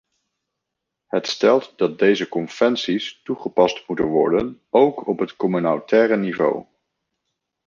Het stelt dat deze conventies toegepast moeten worden ook op het communautaire niveau.